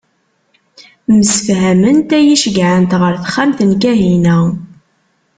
Msefhament ad iyi-ceggɛent ɣer texxamt n Kahina.